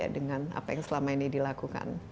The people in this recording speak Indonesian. dengan apa yang selama ini dilakukan